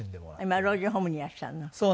今老人ホームにいらっしゃるの？